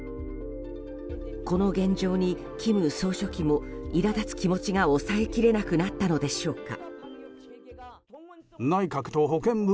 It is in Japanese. この現状に金総書記も苛立つ気持ちが抑えきれなくなったのでしょうか。